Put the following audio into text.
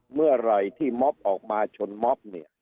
เมื่อไหร่ที่ม๊อบออกมาชนม๊อบ